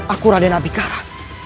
aku raden abikara